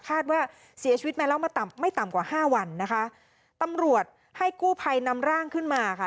คาดว่าเสียชีวิตมาแล้วมาต่ำไม่ต่ำกว่าห้าวันนะคะตำรวจให้กู้ภัยนำร่างขึ้นมาค่ะ